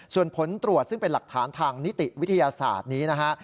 ส่วนผลตรวจซึ่งเป็นหลักฐานทางนิติวิทยาศาสตร์นี้นะฮะ